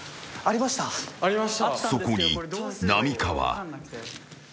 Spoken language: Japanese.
［そこに浪川］